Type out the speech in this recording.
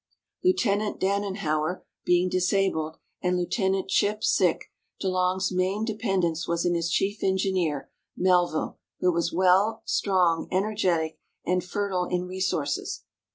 Lieutenant Danenhower being disabled and Lieutenant C'lii|i|) sick, ]^e Long's main dependence was in his chief engineer, Mel ville, who was well, strong, energetic, and fertile in resources.